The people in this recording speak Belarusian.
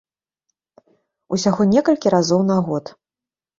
Усяго некалькі разоў на год.